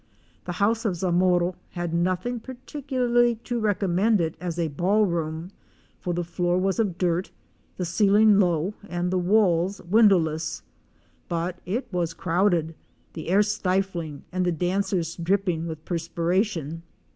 The house of Zamoro had nothing particularly to recommend it as a ballroom; for the floor was of dirt, the ceiling low and the walls windowless. But it was crowded; the air stifling and the dancers dripping with perspiration.